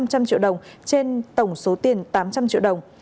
năm trăm linh triệu đồng trên tổng số tiền tám trăm linh triệu đồng